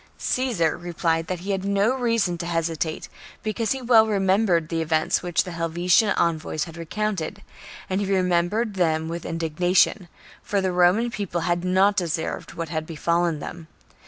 14. Caesar replied that he had no reason to hesitate, because he well remembered the events which the Helvetian envoys had recounted ; and he remembered them with indignation, for the Roman People had not deserved what had befallen them.